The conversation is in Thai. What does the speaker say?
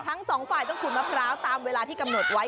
ทั้งสองฝ่ายต้องขูดมะพร้าวตามเวลาที่กำหนดไว้